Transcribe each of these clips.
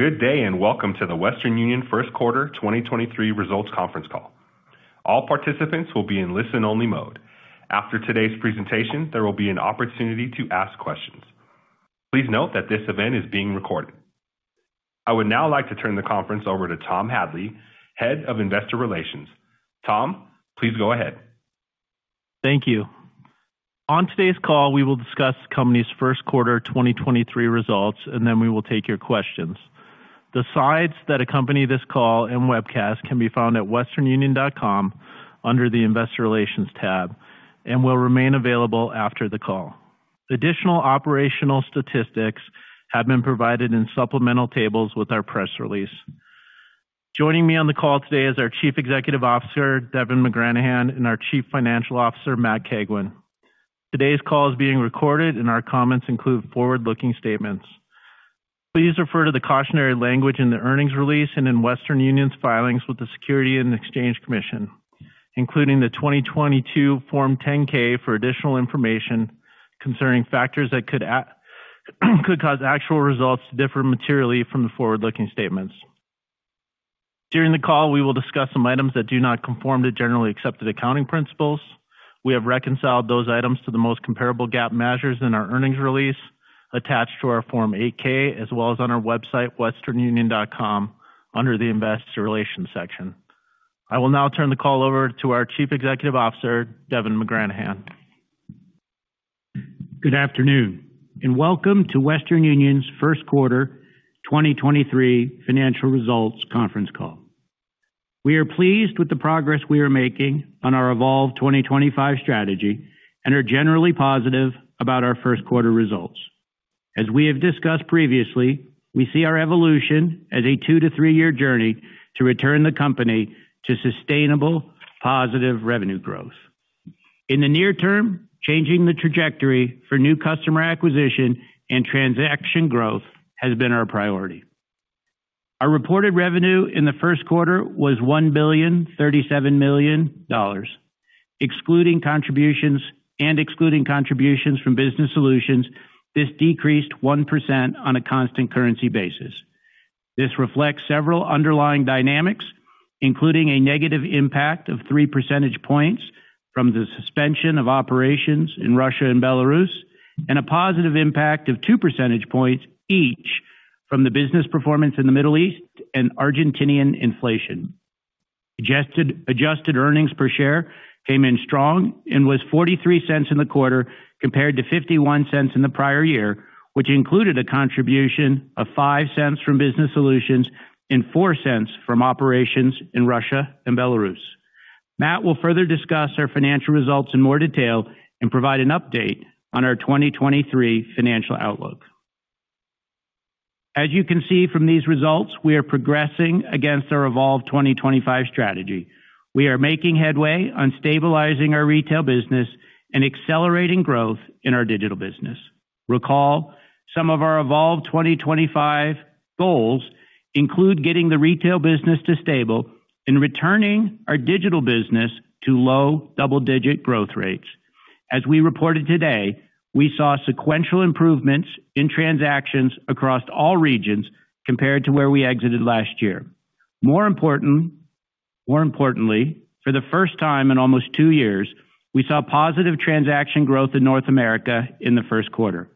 Good day, and welcome to The Western Union first quarter 2023 results conference call. All participants will be in listen-only mode. After today's presentation, there will be an opportunity to ask questions. Please note that this event is being recorded. I would now like to turn the conference over to Tom Hadley, Head of Investor Relations. Tom, please go ahead. Thank you. On today's call, we will discuss the company's first quarter 2023 results, then we will take your questions. The slides that accompany this call and webcast can be found at westernunion.com under the Investor Relations tab and will remain available after the call. Additional operational statistics have been provided in supplemental tables with our press release. Joining me on the call today is our Chief Executive Officer, Devin McGranahan, our Chief Financial Officer, Matt Cagwin. Today's call is being recorded, our comments include forward-looking statements. Please refer to the cautionary language in the earnings release and in Western Union's filings with the Securities and Exchange Commission, including the 2022 Form 10-K, for additional information concerning factors that could cause actual results to differ materially from the forward-looking statements. During the call, we will discuss some items that do not conform to generally accepted accounting principles. We have reconciled those items to the most comparable GAAP measures in our earnings release attached to our Form 8-K, as well as on our website, westernunion.com, under the Investor Relations section. I will now turn the call over to our Chief Executive Officer, Devin McGranahan. Good afternoon welcome to Western Union's first quarter 2023 financial results conference call. We are pleased with the progress we are making on our Evolve 2025 strategy and are generally positive about our first quarter results. As we have discussed previously, we see our evolution as a two to three-year journey to return the company to sustainable positive revenue growth. In the near term, changing the trajectory for new customer acquisition and transaction growth has been our priority. Our reported revenue in the first quarter was $1.037 billion. Excluding contributions from Business Solutions, this decreased 1% on a constant currency basis. This reflects several underlying dynamics, including a negative impact of 3 percentage points from the suspension of operations in Russia and Belarus, and a positive impact of 2 percentage points each from the business performance in the Middle East and Argentinian inflation. Adjusted earnings per share came in strong and was $0.43 in the quarter compared to $0.51 in the prior year, which included a contribution of $0.05 from Business Solutions and $0.04 from operations in Russia and Belarus. Matt will further discuss our financial results in more detail and provide an update on our 2023 financial outlook. As you can see from these results, we are progressing against our Evolve 2025 strategy. We are making headway on stabilizing our retail business and accelerating growth in our digital business. Recall, some of our Evolve 2025 goals include getting the retail business to stable and returning our digital business to low double-digit growth rates. As we reported today, we saw sequential improvements in transactions across all regions compared to where we exited last year. More importantly, for the first time in almost two years, we saw positive transaction growth in North America in the first quarter.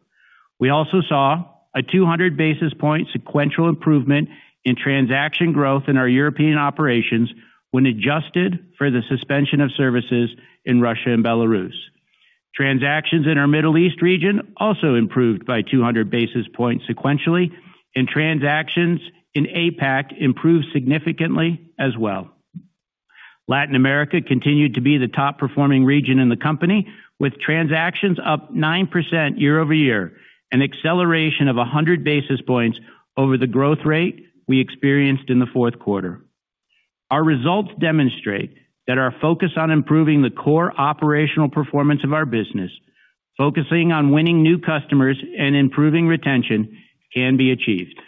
We also saw a 200 basis point sequential improvement in transaction growth in our European operations when adjusted for the suspension of services in Russia and Belarus. Transactions in our Middle East region also improved by 200 basis points sequentially. Transactions in APAC improved significantly as well. Latin America continued to be the top-performing region in the company, with transactions up 9% year-over-year, an acceleration of 100 basis points over the growth rate we experienced in the fourth quarter. Our results demonstrate that our focus on improving the core operational performance of our business, focusing on winning new customers and improving retention can be achieved.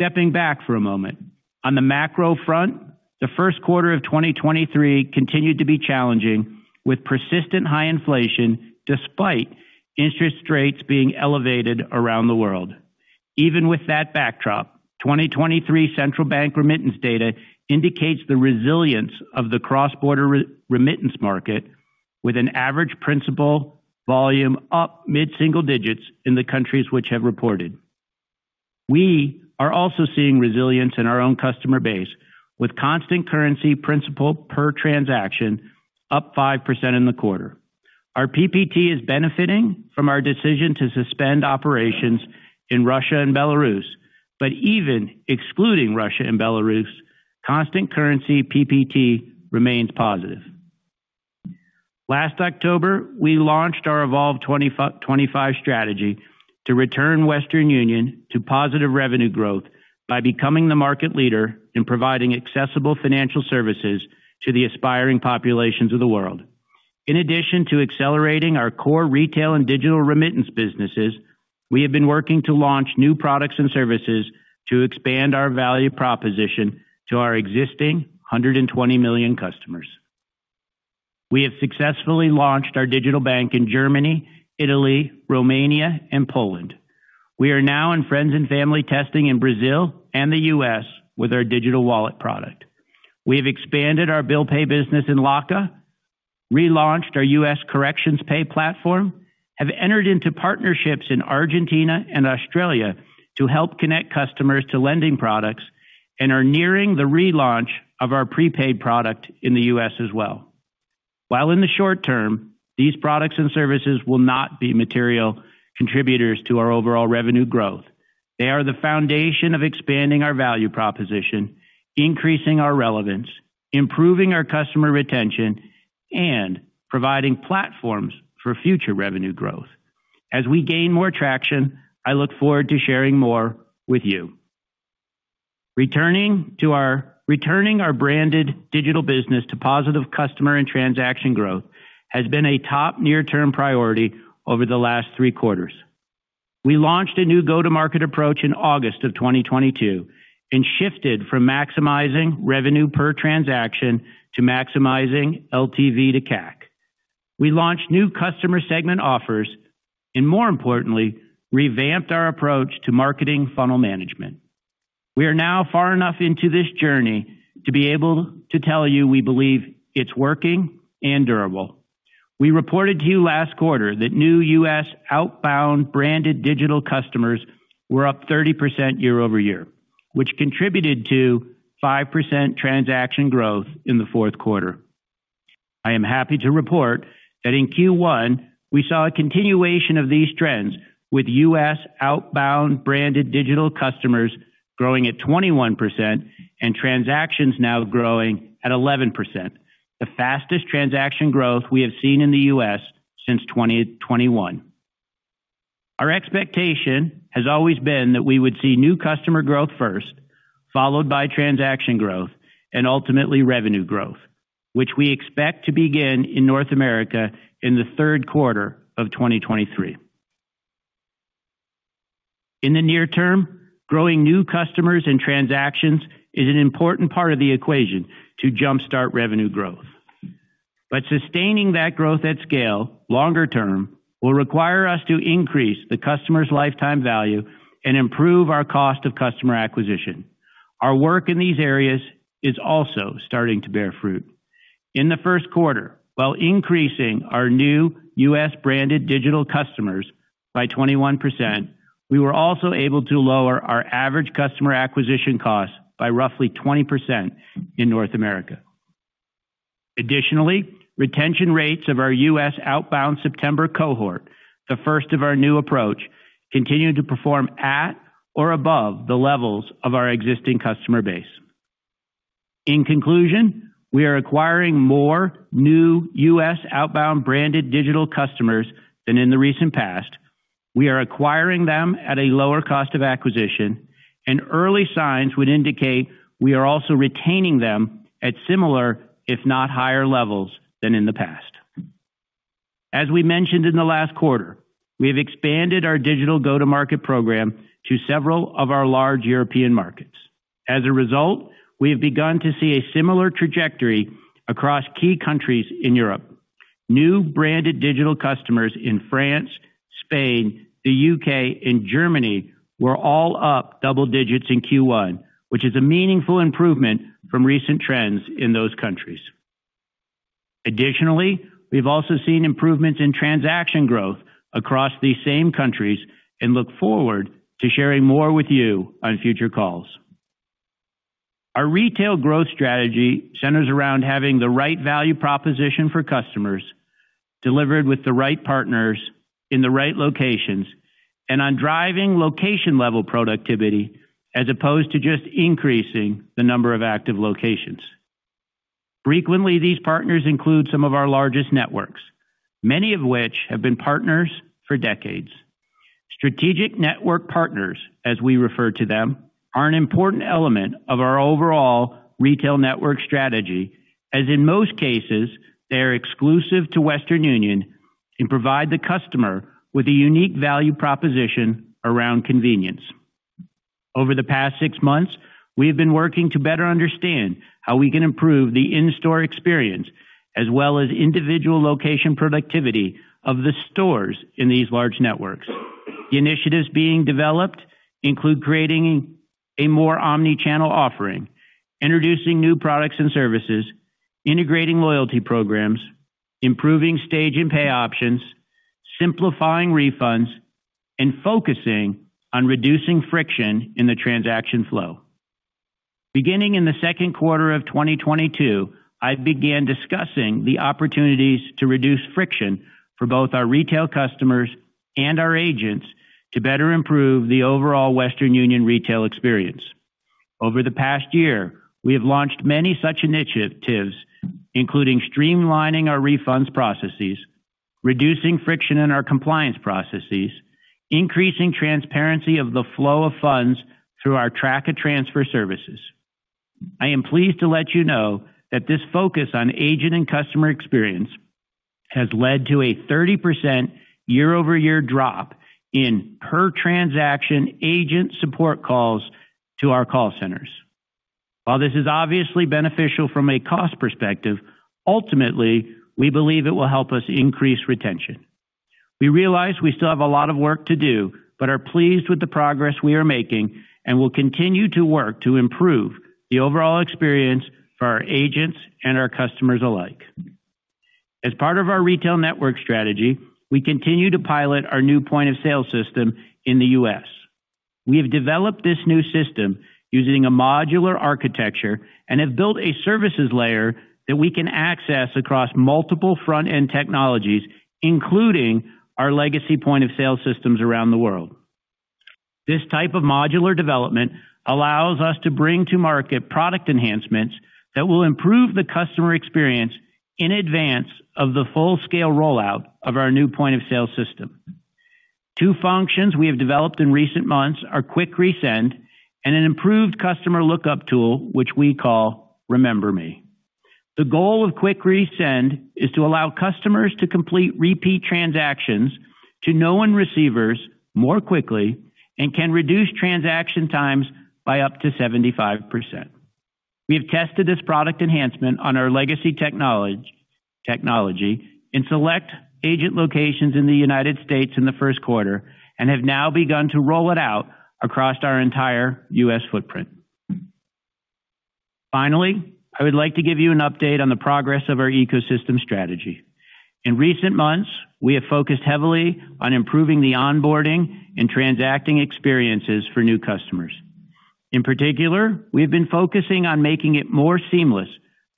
Stepping back for a moment. On the macro front, the first quarter of 2023 continued to be challenging, with persistent high inflation despite interest rates being elevated around the world. Even with that backdrop, 2023 central bank remittance data indicates the resilience of the cross-border re-remittance market with an average principal volume up mid-single digits in the countries which have reported. We are also seeing resilience in our own customer base with constant currency principal per transaction up 5% in the quarter. Our PPT is benefiting from our decision to suspend operations in Russia and Belarus. Even excluding Russia and Belarus, constant currency PPT remains positive. Last October, we launched our Evolve 2025 strategy to return Western Union to positive revenue growth by becoming the market leader in providing accessible financial services to the aspiring populations of the world. In addition to accelerating our core retail and digital remittance businesses, we have been working to launch new products and services to expand our value proposition to our existing 120 million customers. We have successfully launched our digital bank in Germany, Italy, Romania, and Poland. We are now in friends and family testing in Brazil and the U.S. with our digital wallet product. We have expanded our bill pay business in LACA, relaunched our U.S. corrections pay platform, have entered into partnerships in Argentina and Australia to help connect customers to lending products and are nearing the relaunch of our prepaid product in the U.S. as well. While in the short term, these products and services will not be material contributors to our overall revenue growth, they are the foundation of expanding our value proposition, increasing our relevance, improving our customer retention, and providing platforms for future revenue growth. Returning our branded digital business to positive customer and transaction growth has been a top near-term priority over the last three quarters. We launched a new go-to-market approach in August 2022 and shifted from maximizing revenue per transaction to maximizing LTV to CAC. We launched new customer segment offers and, more importantly, revamped our approach to marketing funnel management. We are now far enough into this journey to be able to tell you we believe it's working and durable. We reported to you last quarter that new U.S. outbound branded digital customers were up 30% year-over-year, which contributed to 5% transaction growth in the fourth quarter. I am happy to report that in Q1, we saw a continuation of these trends with U.S. outbound branded digital customers growing at 21% and transactions now growing at 11%, the fastest transaction growth we have seen in the U.S. since 2021. Our expectation has always been that we would see new customer growth first, followed by transaction growth and ultimately revenue growth, which we expect to begin in North America in the third quarter of 2023. In the near term, growing new customers and transactions is an important part of the equation to jumpstart revenue growth. Sustaining that growth at scale longer term will require us to increase the customer's lifetime value and improve our cost of customer acquisition. Our work in these areas is also starting to bear fruit. In the first quarter, while increasing our new U.S. branded digital customers by 21%, we were also able to lower our average customer acquisition cost by roughly 20% in North America. Additionally, retention rates of our U.S. outbound September cohort, the first of our new approach, continue to perform at or above the levels of our existing customer base. In conclusion, we are acquiring more new U.S. outbound branded digital customers than in the recent past. We are acquiring them at a lower cost of acquisition, early signs would indicate we are also retaining them at similar, if not higher levels than in the past. As we mentioned in the last quarter, we have expanded our digital go-to-market program to several of our large European markets. As a result, we have begun to see a similar trajectory across key countries in Europe. New branded digital customers in France, Spain, the U.K., and Germany were all up double digits in Q1, which is a meaningful improvement from recent trends in those countries. Additionally, we've also seen improvements in transaction growth across these same countries and look forward to sharing more with you on future calls. Our retail growth strategy centers around having the right value proposition for customers delivered with the right partners in the right locations and on driving location-level productivity as opposed to just increasing the number of active locations. Frequently, these partners include some of our largest networks, many of which have been partners for decades. Strategic network partners, as we refer to them, are an important element of our overall retail network strategy, as in most cases, they are exclusive to Western Union and provide the customer with a unique value proposition around convenience. Over the past six months, we have been working to better understand how we can improve the in-store experience as well as individual location productivity of the stores in these large networks. The initiatives being developed include creating a more omni-channel offering, introducing new products and services, integrating loyalty programs, improving stage and pay options, simplifying refunds, and focusing on reducing friction in the transaction flow. Beginning in the second quarter of 2022, I began discussing the opportunities to reduce friction for both our retail customers and our agents to better improve the overall Western Union retail experience. Over the past year, we have launched many such initiatives, including streamlining our refunds processes, reducing friction in our compliance processes, increasing transparency of the flow of funds through our track of transfer services. I am pleased to let you know that this focus on agent and customer experience has led to a 30% year-over-year drop in per transaction agent support calls to our call centers. While this is obviously beneficial from a cost perspective, ultimately, we believe it will help us increase retention. We realize we still have a lot of work to do, but are pleased with the progress we are making, and will continue to work to improve the overall experience for our agents and our customers alike. As part of our retail network strategy, we continue to pilot our new point-of-sale system in the U.S. We have developed this new system using a modular architecture and have built a services layer that we can access across multiple front-end technologies, including our legacy point-of-sale systems around the world. This type of modular development allows us to bring to market product enhancements that will improve the customer experience in advance of the full-scale rollout of our new point-of-sale system. Two functions we have developed in recent months are Quick Resend and an improved customer lookup tool, which we call Remember Me. The goal of Quick Resend is to allow customers to complete repeat transactions to known receivers more quickly and can reduce transaction times by up to 75%. We have tested this product enhancement on our legacy technology in select agent locations in the United States in the first quarter and have now begun to roll it out across our entire U.S. footprint. Finally, I would like to give you an update on the progress of our ecosystem strategy. In recent months, we have focused heavily on improving the onboarding and transacting experiences for new customers. In particular, we have been focusing on making it more seamless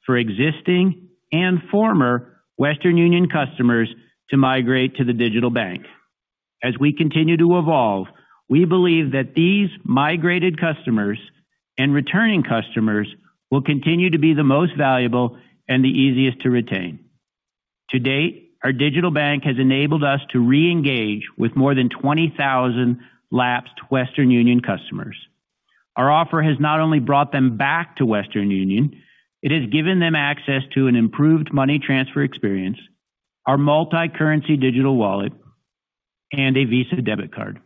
for existing and former Western Union customers to migrate to the digital bank. We continue to evolve, we believe that these migrated customers and returning customers will continue to be the most valuable and the easiest to retain. To date, our digital bank has enabled us to re-engage with more than 20,000 lapsed Western Union customers. Our offer has not only brought them back to Western Union, it has given them access to an improved money transfer experience, our multi-currency digital wallet, and a Visa debit card.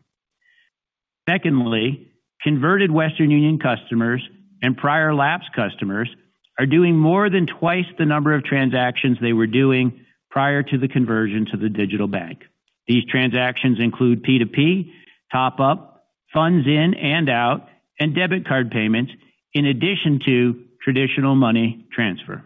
Secondly, converted Western Union customers and prior lapsed customers are doing more than twice the number of transactions they were doing prior to the conversion to the digital bank. These transactions include P2P, top up, funds in and out, and debit card payments, in addition to traditional money transfer.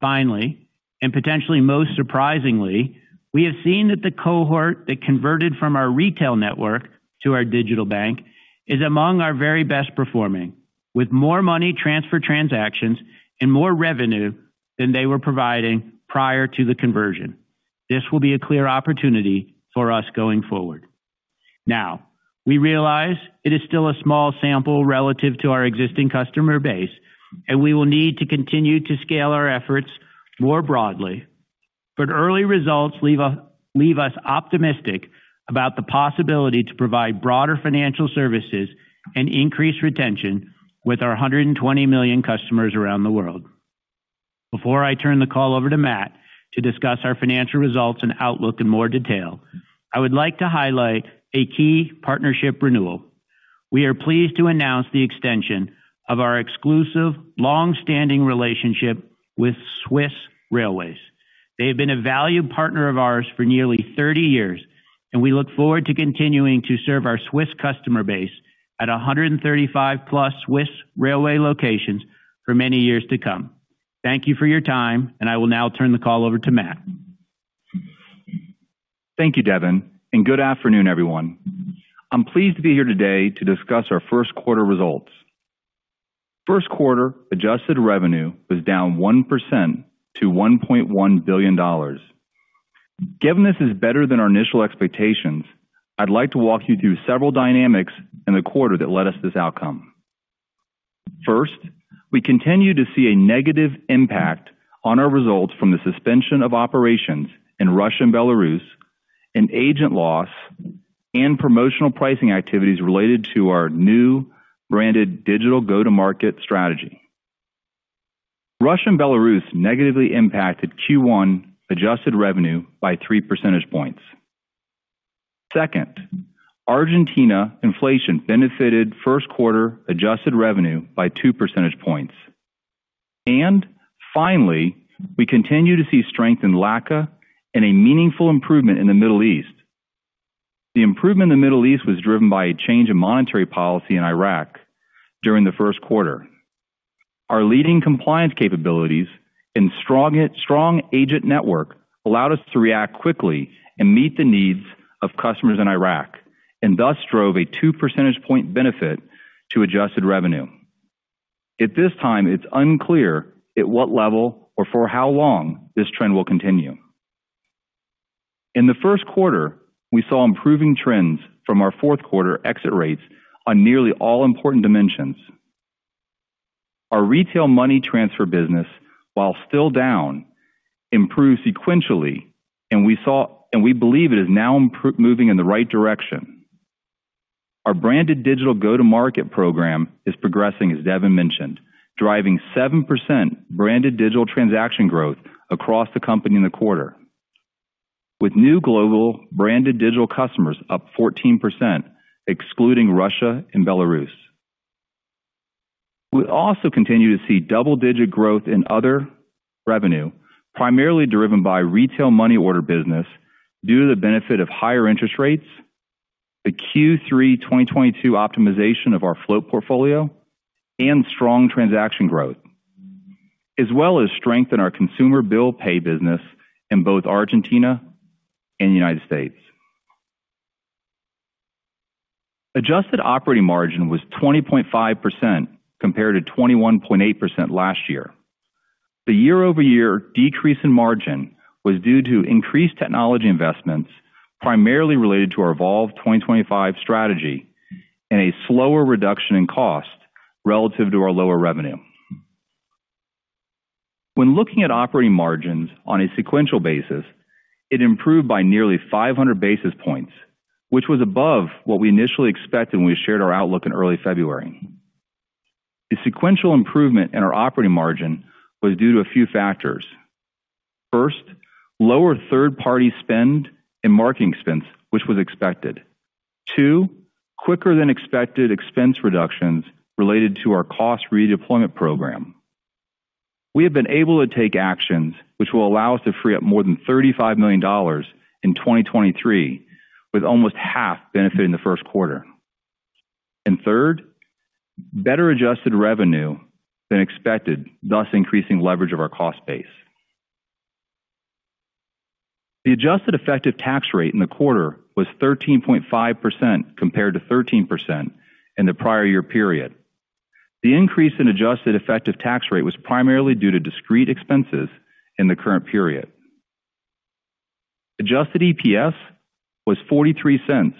Finally, potentially most surprisingly, we have seen that the cohort that converted from our retail network to our digital bank is among our very best performing. With more money transfer transactions and more revenue than they were providing prior to the conversion. This will be a clear opportunity for us going forward. We realize it is still a small sample relative to our existing customer base, and we will need to continue to scale our efforts more broadly. Early results leave us optimistic about the possibility to provide broader financial services and increase retention with our 120 million customers around the world. Before I turn the call over to Matt to discuss our financial results and outlook in more detail, I would like to highlight a key partnership renewal. We are pleased to announce the extension of our exclusive long-standing relationship with Swiss Railways. They have been a valued partner of ours for nearly 30 years, and we look forward to continuing to serve our Swiss customer base at 135+ Swiss railway locations for many years to come. Thank you for your time, and I will now turn the call over to Matt. Thank you, Devin. Good afternoon, everyone. I'm pleased to be here today to discuss our first quarter results. First quarter adjusted revenue was down 1% to $1.1 billion. Given this is better than our initial expectations, I'd like to walk you through several dynamics in the quarter that led to this outcome. First, we continue to see a negative impact on our results from the suspension of operations in Russia and Belarus, and agent loss and promotional pricing activities related to our new branded digital go-to-market strategy. Russia and Belarus negatively impacted Q1 adjusted revenue by 3 percentage points. Second, Argentina inflation benefited first quarter adjusted revenue by 2 percentage points. Finally, we continue to see strength in LACA and a meaningful improvement in the Middle East. The improvement in the Middle East was driven by a change in monetary policy in Iraq during the first quarter. Our leading compliance capabilities and strong agent network allowed us to react quickly and meet the needs of customers in Iraq, and thus drove a 2 percentage point benefit to adjusted revenue. At this time, it's unclear at what level or for how long this trend will continue. In the first quarter, we saw improving trends from our fourth quarter exit rates on nearly all important dimensions. Our retail money transfer business, while still down, improved sequentially, and we believe it is now moving in the right direction. Our branded digital go-to-market program is progressing, as Devin mentioned, driving 7% branded digital transaction growth across the company in the quarter. With new global branded digital customers up 14%, excluding Russia and Belarus. We also continue to see double-digit growth in other revenue, primarily driven by retail money order business due to the benefit of higher interest rates, the Q3 2022 optimization of our float portfolio and strong transaction growth, as well as strength in our consumer bill pay business in both Argentina and United States. Adjusted operating margin was 20.5% compared to 21.8% last year. The year-over-year decrease in margin was due to increased technology investments primarily related to our Evolve 2025 strategy and a slower reduction in cost relative to our lower revenue. When looking at operating margins on a sequential basis, it improved by nearly 500 basis points, which was above what we initially expected when we shared our outlook in early February. The sequential improvement in our operating margin was due to a few factors. First, lower third-party spend and marketing expense, which was expected. Two, quicker than expected expense reductions related to our cost redeployment program. We have been able to take actions which will allow us to free up more than $35 million in 2023, with almost half benefiting the first quarter. Third, better adjusted revenue than expected, thus increasing leverage of our cost base. The adjusted effective tax rate in the quarter was 13.5% compared to 13% in the prior year period. The increase in adjusted effective tax rate was primarily due to discrete expenses in the current period. Adjusted EPS was $0.43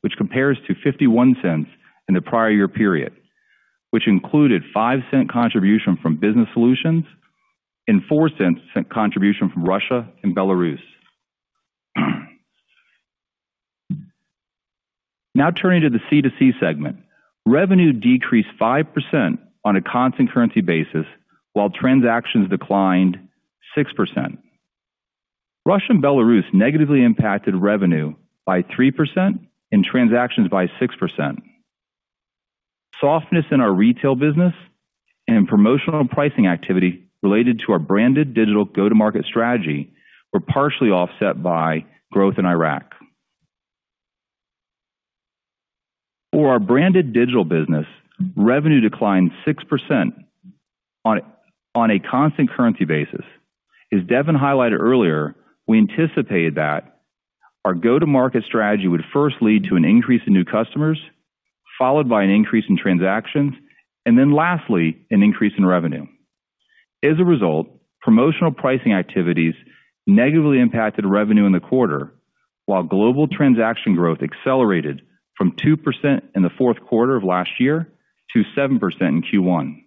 which compares to $0.51 in the prior year period, which included $0.05 contribution from Business Solutions and $0.04 contribution from Russia and Belarus. Now turning to the C2C segment. Revenue decreased 5% on a constant currency basis while transactions declined 6%. Russia and Belarus negatively impacted revenue by 3% and transactions by 6%. Softness in our retail business and promotional pricing activity related to our branded digital go-to-market strategy were partially offset by growth in Iraq. For our branded digital business, revenue declined 6% on a constant currency basis. As Devin highlighted earlier, we anticipate that our go-to-market strategy would first lead to an increase in new customers, followed by an increase in transactions, and then lastly, an increase in revenue. As a result, promotional pricing activities negatively impacted revenue in the quarter, while global transaction growth accelerated from 2% in the fourth quarter of last year to 7% in Q1.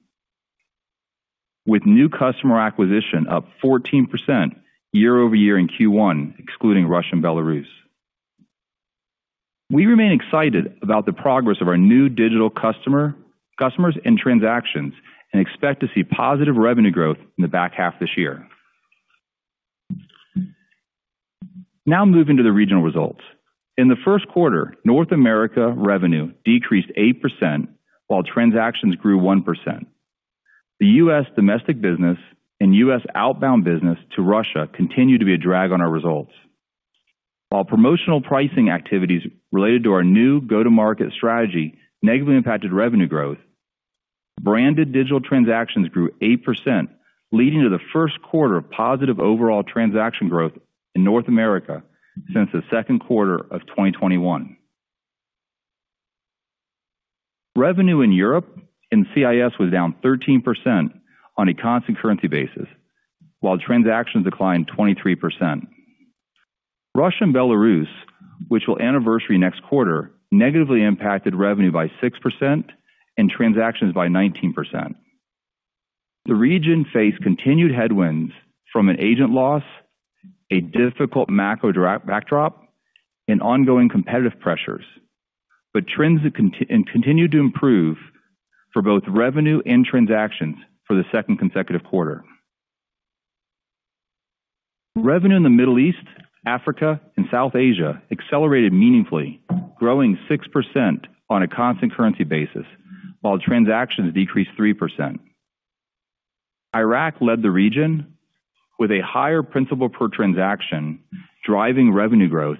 With new customer acquisition up 14% year-over-year in Q1, excluding Russia and Belarus. We remain excited about the progress of our new digital customer, customers and transactions and expect to see positive revenue growth in the back half this year. Moving to the regional results. In the first quarter, North America revenue decreased 8% while transactions grew 1%. The U.S. domestic business and U.S. outbound business to Russia continue to be a drag on our results. While promotional pricing activities related to our new go-to-market strategy negatively impacted revenue growth, branded digital transactions grew 8%, leading to the first quarter of positive overall transaction growth in North America since the second quarter of 2021. Revenue in Europe and CIS was down 13% on a constant currency basis, while transactions declined 23%. Russia and Belarus, which will anniversary next quarter, negatively impacted revenue by 6% and transactions by 19%. The region faced continued headwinds from an agent loss, a difficult macro backdrop and ongoing competitive pressures. Trends continue to improve for both revenue and transactions for the second consecutive quarter. Revenue in the Middle East, Africa and South Asia accelerated meaningfully, growing 6% on a constant currency basis while transactions decreased 3%. Iraq led the region with a higher principal per transaction, driving revenue growth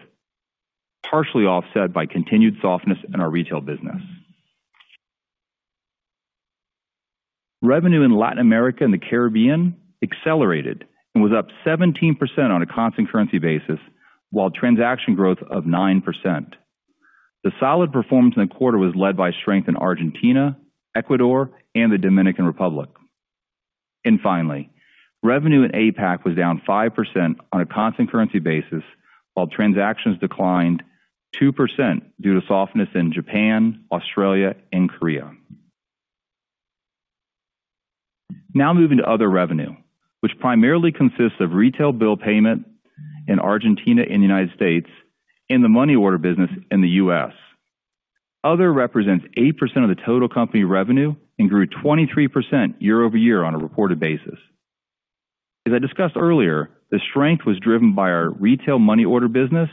partially offset by continued softness in our retail business. Revenue in Latin America and the Caribbean accelerated and was up 17% on a constant currency basis while transaction growth of 9%. The solid performance in the quarter was led by strength in Argentina, Ecuador and the Dominican Republic. Finally, revenue in APAC was down 5% on a constant currency basis while transactions declined 2% due to softness in Japan, Australia and Korea. Moving to other revenue, which primarily consists of retail bill payment in Argentina and United States and the money order business in the U.S. Other represents 8% of the total company revenue and grew 23% year-over-year on a reported basis. As I discussed earlier, the strength was driven by our retail money order business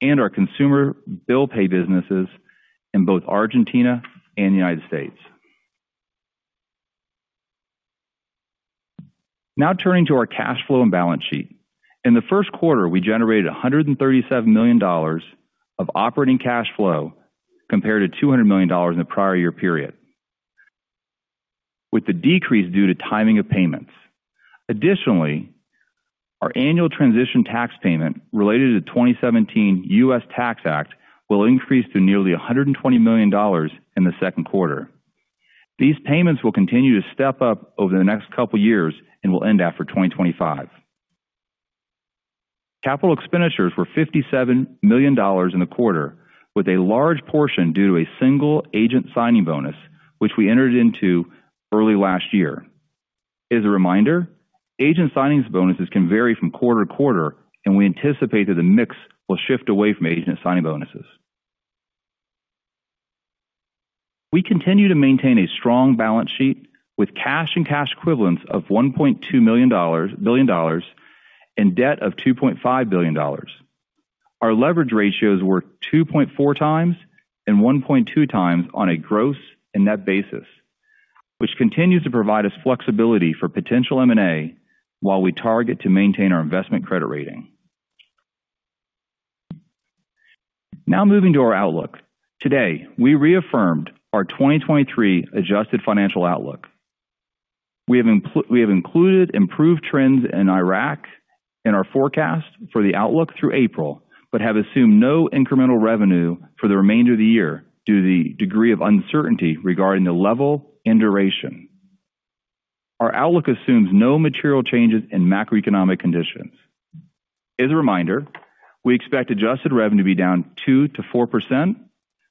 and our consumer bill pay businesses in both Argentina and United States. Turning to our cash flow and balance sheet. In the first quarter, we generated $137 million of operating cash flow compared to $200 million in the prior year period, with the decrease due to timing of payments. Additionally, our annual transition tax payment related to the 2017 U.S. Tax Act will increase to nearly $120 million in the second quarter. These payments will continue to step up over the next couple years and will end after 2025. Capital expenditures were $57 million in the quarter, with a large portion due to a single agent signing bonus, which we entered into early last year. As a reminder, agent signings bonuses can vary from quarter to quarter, and we anticipate that the mix will shift away from agent signing bonuses. We continue to maintain a strong balance sheet with cash and cash equivalents of $1.2 billion and debt of $2.5 billion. Our leverage ratios were 2.4x and 1.2x on a gross and net basis, which continues to provide us flexibility for potential M&A while we target to maintain our investment credit rating. Moving to our outlook. Today, we reaffirmed our 2023 adjusted financial outlook. We have included improved trends in Iraq in our forecast for the outlook through April, have assumed no incremental revenue for the remainder of the year due to the degree of uncertainty regarding the level and duration. Our outlook assumes no material changes in macroeconomic conditions. As a reminder, we expect adjusted revenue to be down 2%-4%.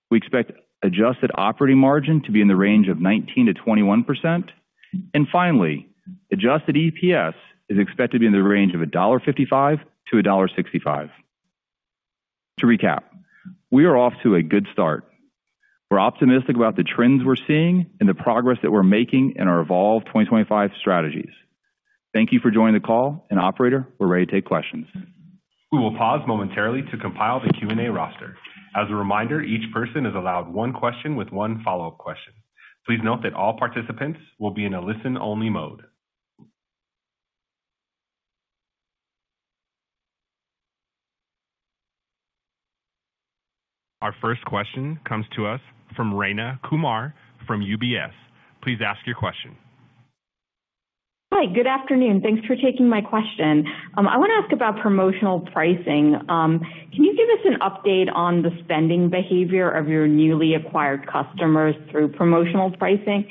We expect adjusted operating margin to be in the range of 19%-21%. Finally, adjusted EPS is expected to be in the range of $1.55-$1.65. To recap, we are off to a good start. We're optimistic about the trends we're seeing and the progress that we're making in our Evolve 2025 strategies. Thank you for joining the call, and operator, we're ready to take questions. We will pause momentarily to compile the Q&A roster. As a reminder, each person is allowed one question with one follow-up question. Please note that all participants will be in a listen only mode. Our first question comes to us from Rayna Kumar from UBS. Please ask your question. Hi, good afternoon. Thanks for taking my question. I want to ask about promotional pricing. Can you give us an update on the spending behavior of your newly acquired customers through promotional pricing?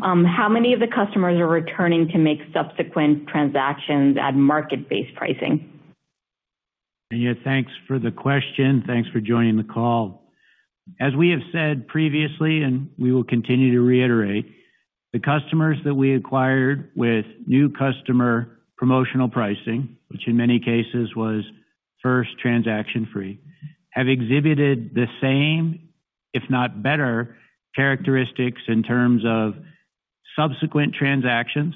How many of the customers are returning to make subsequent transactions at market-based pricing? Thanks for the question. Thanks for joining the call. As we have said previously, and we will continue to reiterate, the customers that we acquired with new customer promotional pricing, which in many cases was first transaction free, have exhibited the same, if not better, characteristics in terms of subsequent transactions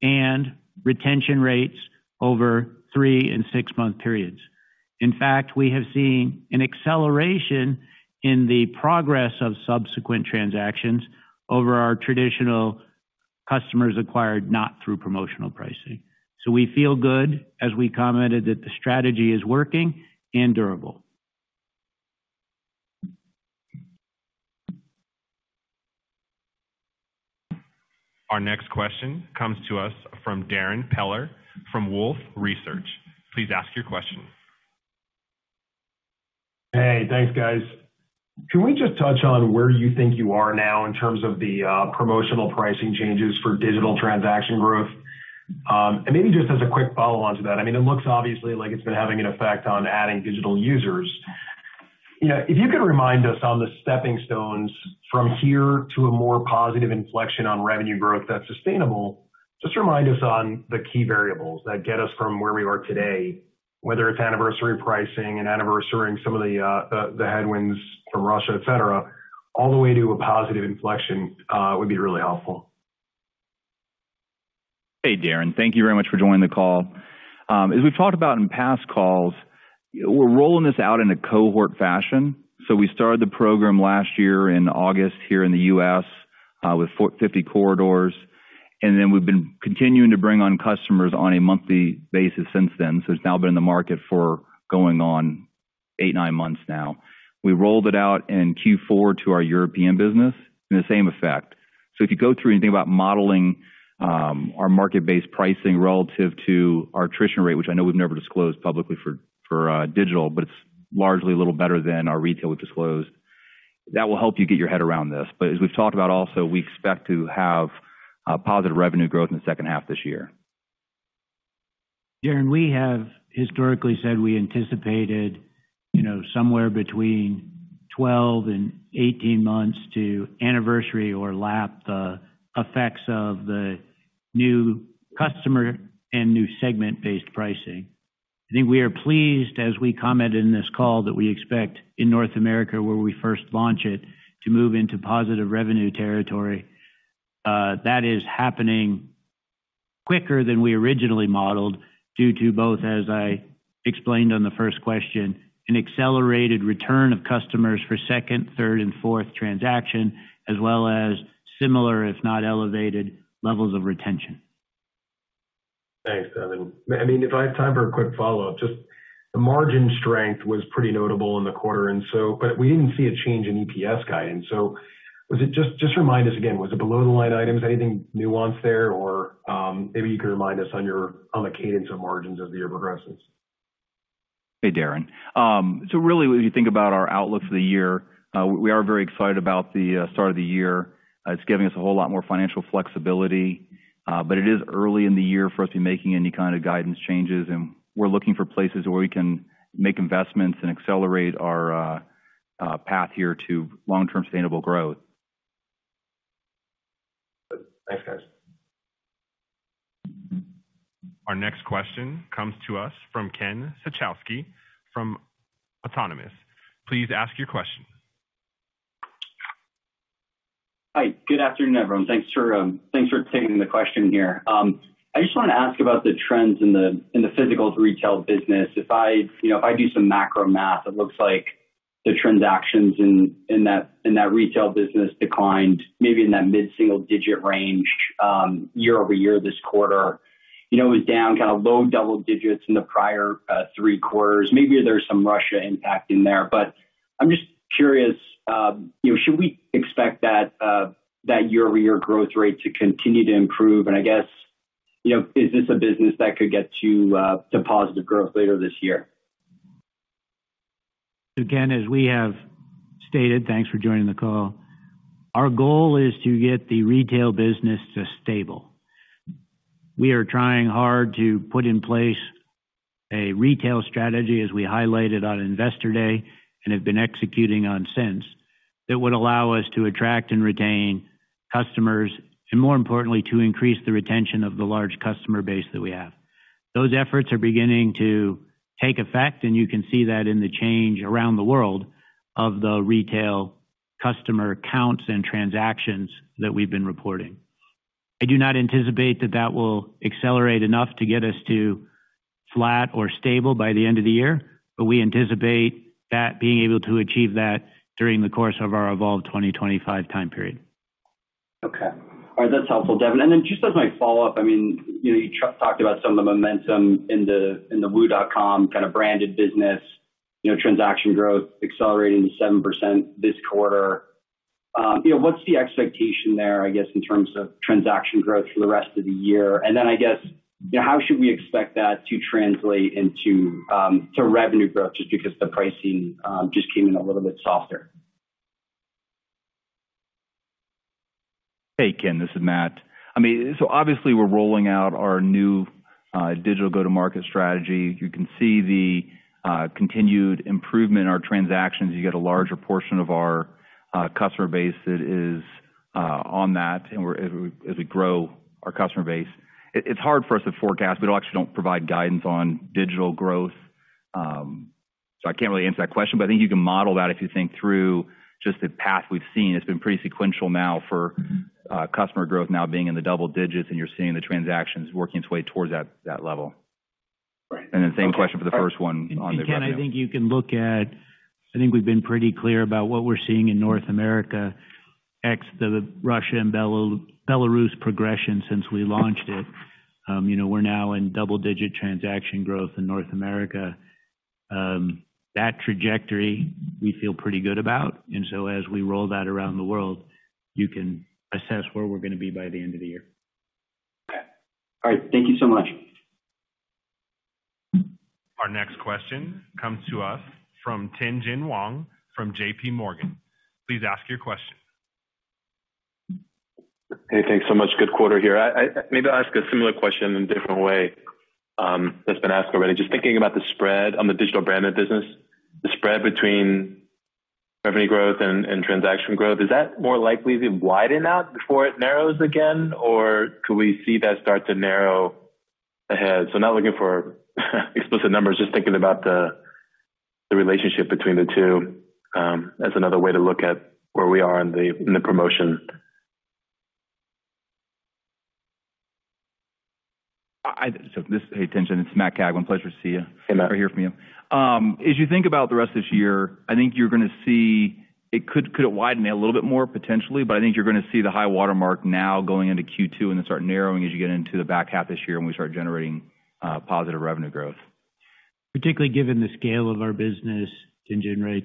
and retention rates over 3 and 6-month periods. In fact, we have seen an acceleration in the progress of subsequent transactions over our traditional customers acquired not through promotional pricing. We feel good as we commented that the strategy is working and durable. Our next question comes to us from Darrin Peller from Wolfe Research. Please ask your question. Hey, thanks, guys. Can we just touch on where you think you are now in terms of the promotional pricing changes for digital transaction growth? Maybe just as a quick follow-on to that, I mean, it looks obviously like it's been having an effect on adding digital users. You know, if you could remind us on the stepping stones from here to a more positive inflection on revenue growth that's sustainable, just remind us on the key variables that get us from where we are today, whether it's anniversary pricing and anniversary some of the headwinds from Russia, et cetera, all the way to a positive inflection, would be really helpful. Hey, Darrin, thank you very much for joining the call. As we've talked about in past calls, we're rolling this out in a cohort fashion. We started the program last year in August here in the U.S., with 50 corridors. We've been continuing to bring on customers on a monthly basis since then. It's now been in the market for going on 8, 9 months now. We rolled it out in Q4 to our European business in the same effect. If you go through anything about modeling, our market-based pricing relative to our attrition rate, which I know we've never disclosed publicly for digital, but it's largely a little better than our retail we've disclosed. That will help you get your head around this. As we've talked about also, we expect to have positive revenue growth in the second half this year. Darrin, we have historically said we anticipated, you know, somewhere between 12 and 18 months to anniversary or lap the effects of the new customer and new segment-based pricing. I think we are pleased, as we commented in this call, that we expect in North America, where we first launch it, to move into positive revenue territory. That is happening quicker than we originally modeled due to both, as I explained on the first question, an accelerated return of customers for second, third and fourth transaction, as well as similar, if not elevated, levels of retention. Thanks, Devin. I mean, if I have time for a quick follow-up, just the margin strength was pretty notable in the quarter. We didn't see a change in EPS guidance. Was it just remind us again, was it below the line items, anything nuanced there? Or maybe you could remind us on the cadence of margins as the year progresses. Hey, Darrin. Really, when you think about our outlook for the year, we are very excited about the start of the year. It's giving us a whole lot more financial flexibility, but it is early in the year for us to be making any kind of guidance changes, and we're looking for places where we can make investments and accelerate our path here to long-term sustainable growth. Thanks, guys. Our next question comes to us from Ken Suchoski from Autonomous. Please ask your question. Hi. Good afternoon, everyone. Thanks for, thanks for taking the question here. I just want to ask about the trends in the physical retail business. If I, you know, if I do some macro math, it looks like the transactions in that retail business declined maybe in that mid-single digit range, year-over-year this quarter. You know, it was down kind of low double digits in the prior three quarters. Maybe there's some Russia impact in there. I'm just curious, you know, should we expect that year-over-year growth rate to continue to improve? I guess, you know, is this a business that could get to positive growth later this year? Again, as we have stated, thanks for joining the call. Our goal is to get the retail business to stable. We are trying hard to put in place a retail strategy, as we highlighted on Investor Day, and have been executing on since, that would allow us to attract and retain customers, and more importantly, to increase the retention of the large customer base that we have. Those efforts are beginning to take effect, and you can see that in the change around the world of the retail customer counts and transactions that we've been reporting. I do not anticipate that that will accelerate enough to get us to flat or stable by the end of the year, but we anticipate that being able to achieve that during the course of our Evolve 2025 time period. Okay. All right. That's helpful, Devin. Just as my follow-up, I mean, you know, you talked about some of the momentum in the, in the WU.com kind of branded business, you know, transaction growth accelerating 7% this quarter. You know, what's the expectation there, I guess, in terms of transaction growth for the rest of the year? I guess, how should we expect that to translate into, to revenue growth, just because the pricing, just came in a little bit softer? Hey, Ken, this is Matt. I mean, obviously we're rolling out our new digital go-to-market strategy. You can see the continued improvement in our transactions. You get a larger portion of our customer base that is on that and as we grow our customer base. It's hard for us to forecast. We actually don't provide guidance on digital growth, so I can't really answer that question. I think you can model that if you think through just the path we've seen. It's been pretty sequential now for customer growth now being in the double digits, and you're seeing the transactions working its way towards that level. Right. The same question for the first one on the revenue. Ken, I think we've been pretty clear about what we're seeing in North America, ex the Russia and Belarus progression since we launched it. You know, we're now in double-digit transaction growth in North America. That trajectory we feel pretty good about. As we roll that around the world, you can assess where we're gonna be by the end of the year. Okay. All right. Thank you so much. Our next question comes to us from Tien-Tsin Huang from JPMorgan. Please ask your question. Hey, thanks so much. Good quarter here. Maybe I'll ask a similar question in a different way that's been asked already. Just thinking about the spread on the digital branded business, the spread between revenue growth and transaction growth. Is that more likely to widen out before it narrows again? Could we see that start to narrow ahead? I'm not looking for explicit numbers, just thinking about the relationship between the two as another way to look at where we are in the promotion. Hey, Tien-Tsin, it's Matt Cagwin. Pleasure to see you. Hey, Matt. Hear from you. As you think about the rest of this year, I think you're gonna see it could it widen a little bit more potentially, but I think you're gonna see the high watermark now going into Q2 and then start narrowing as you get into the back half this year and we start generating positive revenue growth. Particularly given the scale of our business, Tien-Tsin, right,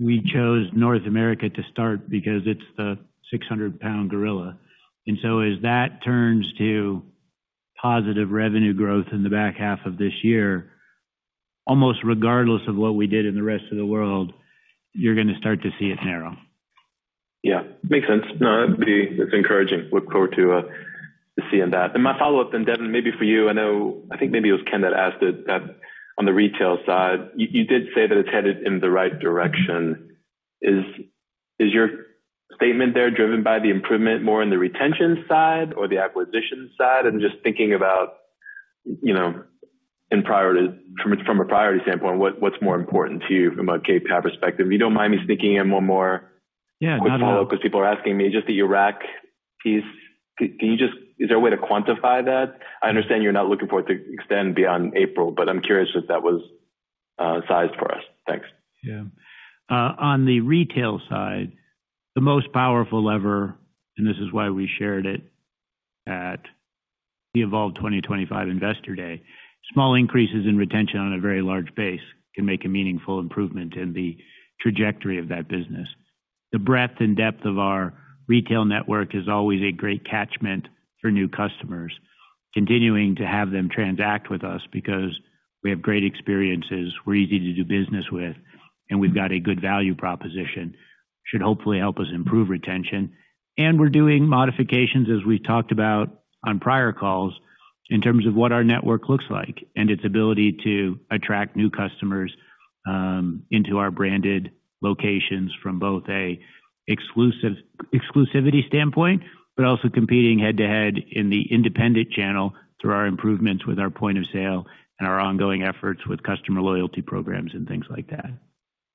we chose North America to start because it's the 600 lbs gorilla. As that turns to positive revenue growth in the back half of this year, almost regardless of what we did in the rest of the world, you're gonna start to see it narrow. Yeah. Makes sense. No, that's encouraging. Look forward to seeing that. My follow-up then, Devin, maybe for you. I know, I think maybe it was Ken that asked it on the retail side. You did say that it's headed in the right direction. Is your statement there driven by the improvement more in the retention side or the acquisition side? I'm just thinking about, you know, in priorities from a priority standpoint, what's more important to you from a KPI perspective? You don't mind me sneaking in one more. Yeah. Not at all. Quick follow-up because people are asking me just the Iraq piece. Is there a way to quantify that? I understand you're not looking for it to extend beyond April, but I'm curious if that was sized for us. Thanks. On the retail side, the most powerful lever, and this is why we shared it at the Evolve 2025 Investor Day. Small increases in retention on a very large base can make a meaningful improvement in the trajectory of that business. The breadth and depth of our retail network is always a great catchment for new customers. Continuing to have them transact with us because we have great experiences, we're easy to do business with, and we've got a good value proposition should hopefully help us improve retention. We're doing modifications, as we talked about on prior calls, in terms of what our network looks like and its ability to attract new customers, into our branded locations from both a exclusivity standpoint, but also competing head-to-head in the independent channel through our improvements with our point of sale and our ongoing efforts with customer loyalty programs and things like that.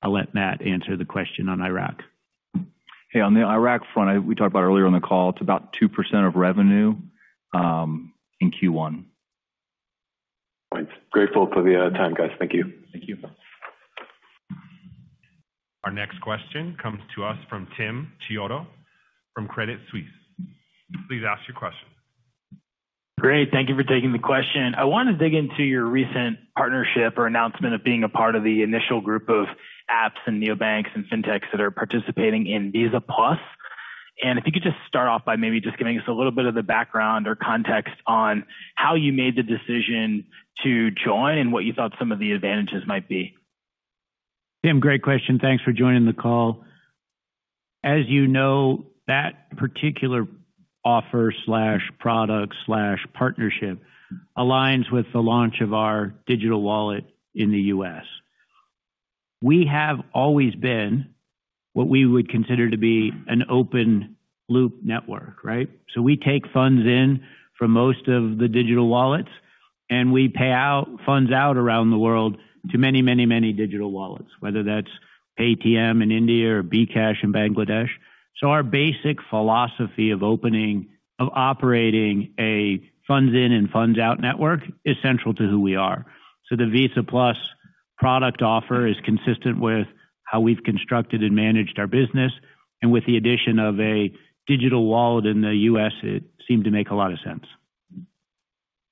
I'll let Matt answer the question on Iraq. Hey, on the Iraq front, we talked about earlier in the call, it's about 2% of revenue, in Q1. Thanks. Grateful for the time, guys. Thank you. Thank you. Our next question comes to us from Tim Chiodo from Credit Suisse. Please ask your question. Great. Thank you for taking the question. I want to dig into your recent partnership or announcement of being a part of the initial group of apps and neobanks and fintechs that are participating in Visa+. If you could just start off by maybe just giving us a little bit of the background or context on how you made the decision to join and what you thought some of the advantages might be? Tim, great question. Thanks for joining the call. As you know, that particular offer/product/partnership aligns with the launch of our digital wallet in the U.S. We have always been what we would consider to be an open loop network, right? We take funds in from most of the digital wallets, and we pay funds out around the world to many digital wallets, whether that's ATM in India or bKash in Bangladesh. Our basic philosophy of operating a funds in and funds out network is central to who we are. The Visa+ product offer is consistent with how we've constructed and managed our business. With the addition of a digital wallet in the U.S., it seemed to make a lot of sense.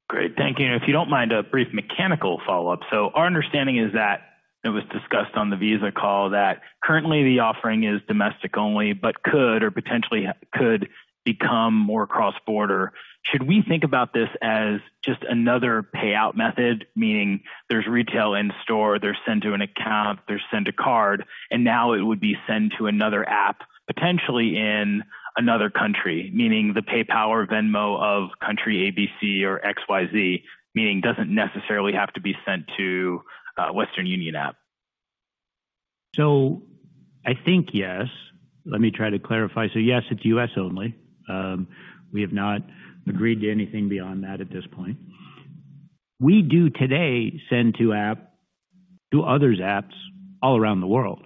Great. Thank you. If you don't mind, a brief mechanical follow-up. Our understanding is that it was discussed on the Visa call that currently the offering is domestic only, but could or potentially could become more cross-border. Should we think about this as just another payout method, meaning there's retail in store, there's send to an account, there's send a card, and now it would be send to another app, potentially in another country, meaning the PayPal or Venmo of country ABC or XYZ, meaning doesn't necessarily have to be sent to a Western Union app? I think yes. Let me try to clarify. Yes, it's U.S. only. We have not agreed to anything beyond that at this point. We do today send to app to others' apps all around the world.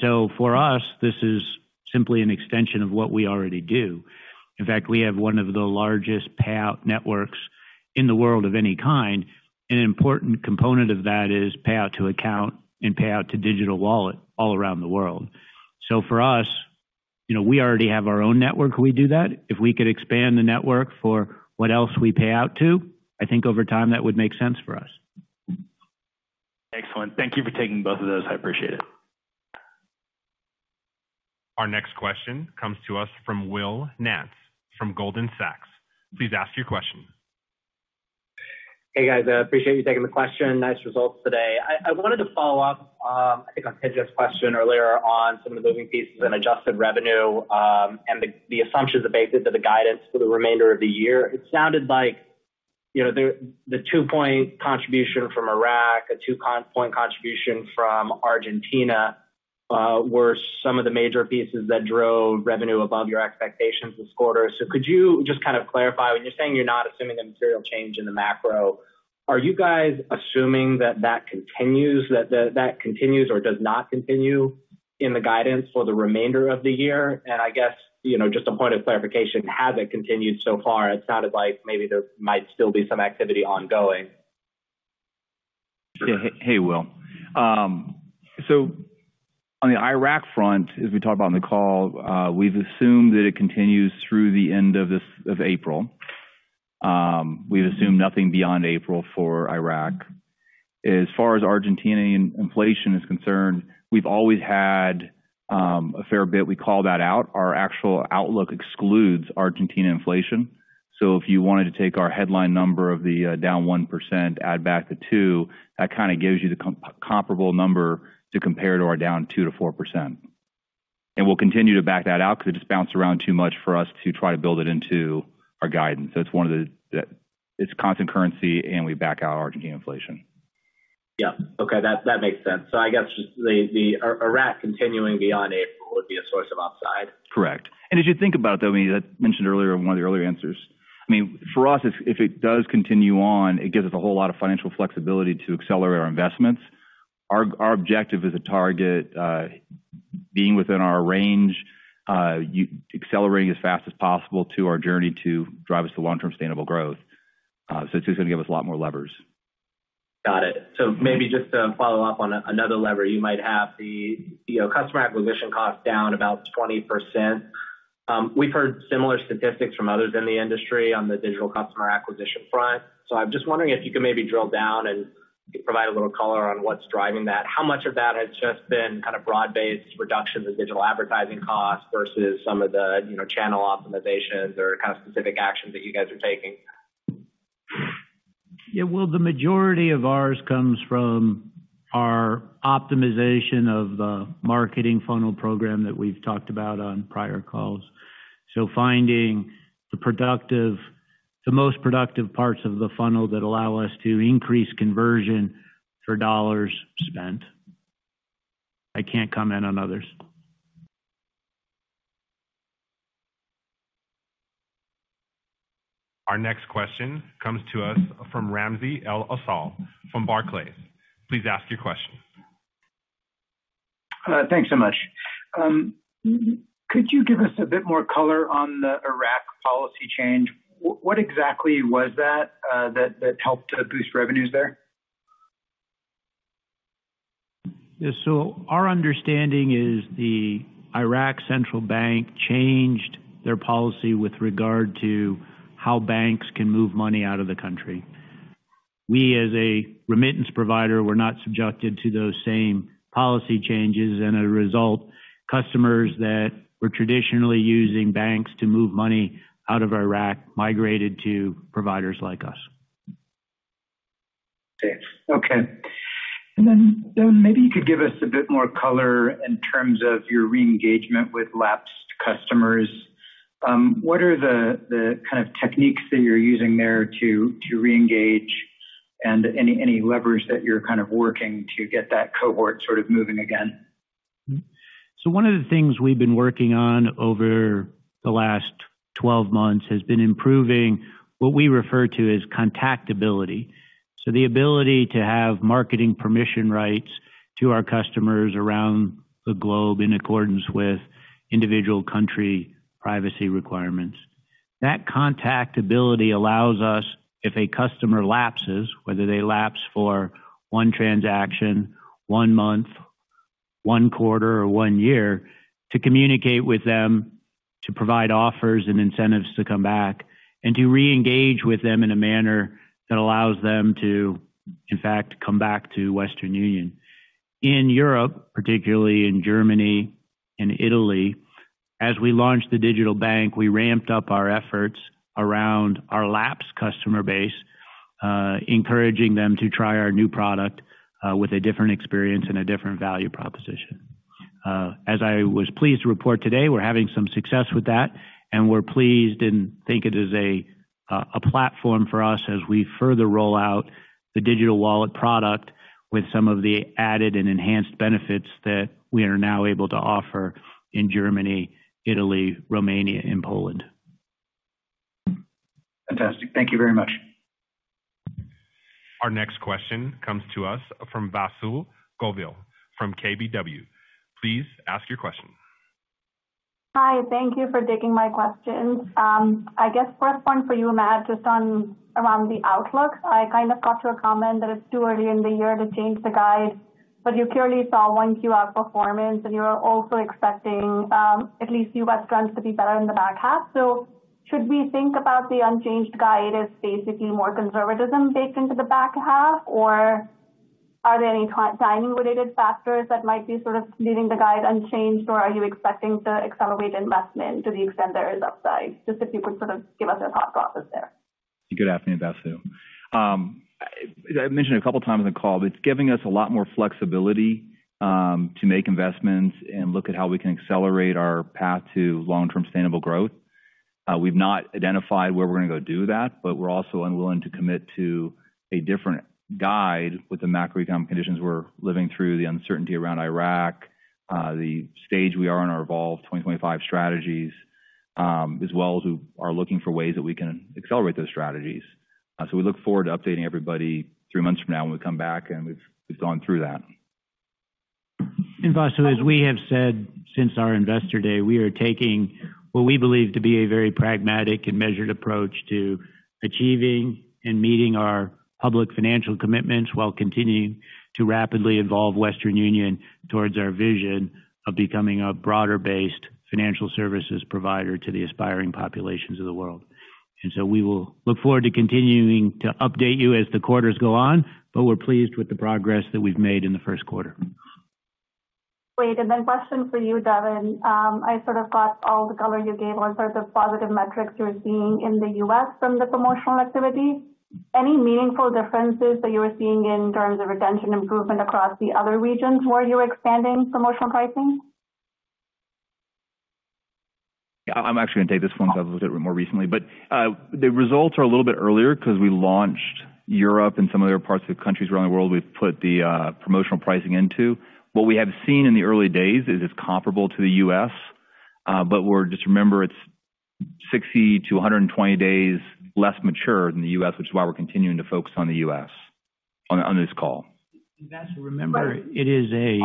For us, this is simply an extension of what we already do. In fact, we have one of the largest payout networks in the world of any kind. An important component of that is payout to account and payout to digital wallet all around the world. For us, you know, we already have our own network, we do that. If we could expand the network for what else we pay out to, I think over time, that would make sense for us. Excellent. Thank you for taking both of those. I appreciate it. Our next question comes to us from Will Nance from Goldman Sachs. Please ask your question. Hey, guys. I appreciate you taking the question. Nice results today. I wanted to follow up, I think on Tien-Tsin's question earlier on some of the moving pieces in adjusted revenue, and the assumptions that baked into the guidance for the remainder of the year. It sounded like, you know, the 2-point contribution from Iraq, a 2-point contribution from Argentina, were some of the major pieces that drove revenue above your expectations this quarter. Could you just kind of clarify, when you're saying you're not assuming a material change in the macro, are you guys assuming that continues or does not continue in the guidance for the remainder of the year? I guess, you know, just a point of clarification, has it continued so far? It sounded like maybe there might still be some activity ongoing. Hey, Will. On the Iraq front, as we talked about on the call, we've assumed that it continues through the end of April. We've assumed nothing beyond April for Iraq. As far as Argentina inflation is concerned, we've always had a fair bit. We call that out. Our actual outlook excludes Argentina inflation. If you wanted to take our headline number of the down 1%, add back the 2%, that kinda gives you the comparable number to compare to our down 2%-4%. We'll continue to back that out 'cause it just bounced around too much for us to try to build it into our guidance. It's one of the it's constant currency, and we back out Argentina inflation. Yeah. Okay, that makes sense. I guess just the Iraq continuing beyond April would be a source of upside. Correct. As you think about though, I mean, as I mentioned earlier in one of the earlier answers. I mean, for us, if it does continue on, it gives us a whole lot of financial flexibility to accelerate our investments. Our, our objective as a target, being within our range, accelerating as fast as possible to our journey to drive us to long-term sustainable growth. It's just gonna give us a lot more levers. Got it. Maybe just to follow up on another lever you might have, the, you know, customer acquisition cost down about 20%. We've heard similar statistics from others in the industry on the digital customer acquisition front. I'm just wondering if you could maybe drill down and provide a little color on what's driving that. How much of that has just been kinda broad-based reduction in digital advertising costs versus some of the, you know, channel optimizations or kind of specific actions that you guys are taking? Yeah. Well, the majority of ours comes from our optimization of the marketing funnel program that we've talked about on prior calls. Finding the most productive parts of the funnel that allow us to increase conversion for dollars spent. I can't comment on others. Our next question comes to us from Ramsey El-Assal from Barclays. Please ask your question. Thanks so much. Could you give us a bit more color on the Iraq policy change? What exactly was that that helped to boost revenues there? Our understanding is the Iraq Central Bank changed their policy with regard to how banks can move money out of the country. We, as a remittance provider, were not subjected to those same policy changes and a result, customers that were traditionally using banks to move money out of Iraq migrated to providers like us. Okay. then maybe you could give us a bit more color in terms of your re-engagement with lapsed customers. What are the kind of techniques that you're using there to re-engage and any levers that you're kind of working to get that cohort sort of moving again? One of the things we've been working on over the last 12 months has been improving what we refer to as contactability. The ability to have marketing permission rights to our customers around the globe in accordance with individual country privacy requirements. That contactability allows us, if a customer lapses, whether they lapse for one transaction, one month, one quarter, or one year, to communicate with them to provide offers and incentives to come back and to re-engage with them in a manner that allows them to, in fact, come back to Western Union. In Europe, particularly in Germany and Italy, as we launched the digital bank, we ramped up our efforts around our lapsed customer base, encouraging them to try our new product with a different experience and a different value proposition. As I was pleased to report today, we're having some success with that, and we're pleased and think it is a platform for us as we further roll out the digital wallet product with some of the added and enhanced benefits that we are now able to offer in Germany, Italy, Romania, and Poland. Fantastic. Thank you very much. Our next question comes to us from Vasu Govil from KBW. Please ask your question. Hi. Thank you for taking my questions. I guess first one for you, Matt, just on around the outlook. I kind of got your comment that it's too early in the year to change the guide, you clearly saw 1Q performance, and you are also expecting, at least US trends to be better in the back half. Should we think about the unchanged guide as basically more conservatism baked into the back half, or are there any timing related factors that might be sort of leaving the guide unchanged, or are you expecting to accelerate investment to the extent there is upside? Just if you could sort of give us your thought process there. Good afternoon, Vasu Govil. As I mentioned a couple of times in the call, it's giving us a lot more flexibility to make investments and look at how we can accelerate our path to long-term sustainable growth. We've not identified where we're gonna go do that, we're also unwilling to commit to a different guide with the macroeconomy conditions we're living through, the uncertainty around Iraq, the stage we are in our Evolve 2025 strategies, as well as we are looking for ways that we can accelerate those strategies. We look forward to updating everybody three months from now when we come back and we've gone through that. Vasu, as we have said since our Investor Day, we are taking what we believe to be a very pragmatic and measured approach to achieving and meeting our public financial commitments while continuing to rapidly evolve Western Union towards our vision of becoming a broader-based financial services provider to the aspiring populations of the world. We will look forward to continuing to update you as the quarters go on, but we're pleased with the progress that we've made in the first quarter. Great. Question for you, Devin. I sort of got all the color you gave on sort of the positive metrics you're seeing in the U.S. from the promotional activity. Any meaningful differences that you are seeing in terms of retention improvement across the other regions where you're expanding promotional pricing? Yeah. I'm actually gonna take this one 'cause I've looked at it more recently. The results are a little bit earlier 'cause we launched Europe and some other parts of the countries around the world we've put the promotional pricing into. What we have seen in the early days is it's comparable to the U.S., but Just remember, it's 60 to 120 days less mature than the U.S., which is why we're continuing to focus on the U.S. on this call. You've got to remember, it is a,